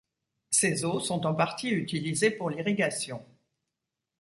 Ses eaux sont en partie utilisées pour l'irrigation.